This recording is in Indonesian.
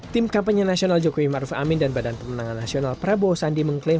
tim kampanye nasional jokowi maruf amin dan badan pemenangan nasional prabowo sandi mengklaim